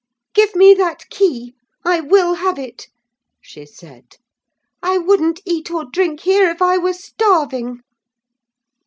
"Give me that key: I will have it!" she said. "I wouldn't eat or drink here, if I were starving."